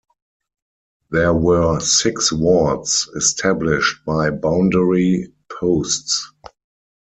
There were six wards established by boundary posts.